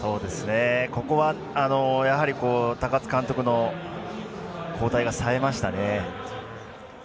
ここは、高津監督の交代がさえましたね。